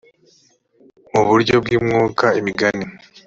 mu buryo bw umwuka imigani